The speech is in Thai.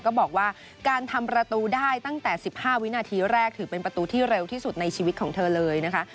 ก็บอกว่าการทำประตูได้ตั้งแต่๑๕วินาทีแรกถือเป็นประตูที่เร็วที่สุดในชีวิตของเธอเลยนะคะ